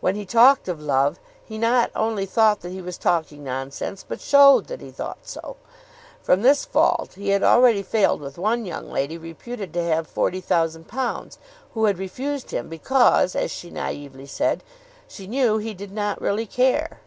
When he talked of love, he not only thought that he was talking nonsense, but showed that he thought so. From this fault he had already failed with one young lady reputed to have £40,000, who had refused him because, as she naively said, she knew "he did not really care."